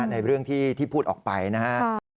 ในเรื่องที่พูดออกไปนะครับ